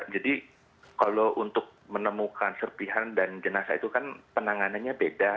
jadi kalau untuk menemukan serpihan dan jenazah itu kan penanganannya beda